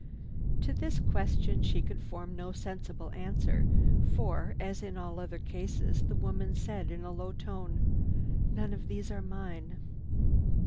To this question she could form no sensible answer for, as in all other cases, the woman said in a low tone: "None of these are mine."